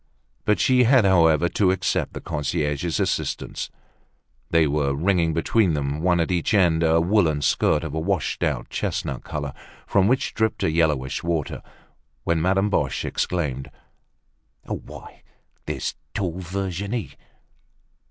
But she had, however, to accept the concierge's assistance. They were wringing between them, one at each end, a woolen skirt of a washed out chestnut color, from which dribbled a yellowish water, when Madame Boche exclaimed: "Why, there's tall Virginie!